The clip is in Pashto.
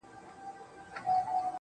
اوس مي د زړه كورگى تياره غوندي دى.